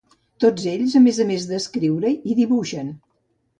Tots ells a més d'escriure-hi hi dibuixaven.